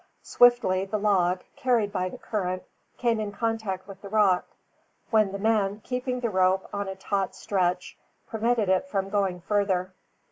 Swiftly the log, carried by the current, came in contact with the rock; when the men, keeping the rope on a taut stretch, prevented it from going farther.